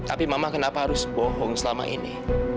tapi mama kenapa harus bohong selama ini